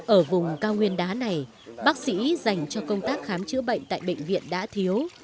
ở vùng cao nguyên đá này bác sĩ dành cho công tác khám chữa bệnh tại bệnh viện đã thiếu